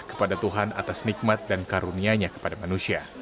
kepada tuhan atas nikmat dan karunianya kepada manusia